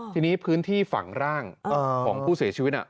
ทีนี้พื้นที่ฝั่งร่างของผู้เสียชีวิต